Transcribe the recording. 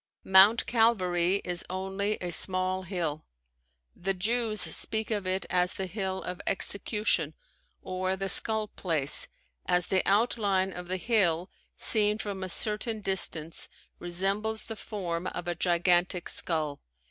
Mount Calvary is only a small hill. The Jews speak of it as the Hill of Execution, or the Skull Place, as the outline of the hill seen from a certain direction resembles the form of a gigantic skull.